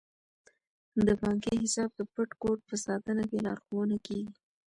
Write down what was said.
د بانکي حساب د پټ کوډ په ساتنه کې لارښوونه کیږي.